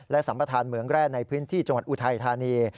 และสัมประธานเหมืองแร่ในพื้นที่จังหวัดอุทัยธานี